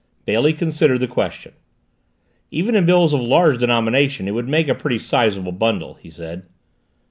Bailey considered the question. "Even in bills of large denomination it would make a pretty sizeable bundle," he said.